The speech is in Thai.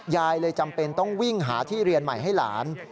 ยายเลยจำเป็นต้องวิ่งหาที่เรียนใหม่ให้หลาน